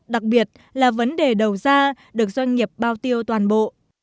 đặc biệt là vấn đề đầu ra được doanh nghiệp bao tiêu toàn bộ